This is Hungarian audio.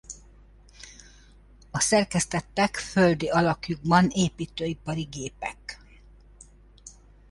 A Szerkesztettek földi alakjukban építőipari gépek.